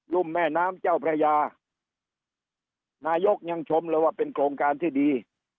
ุ่มแม่น้ำเจ้าพระยานายกยังชมเลยว่าเป็นโครงการที่ดี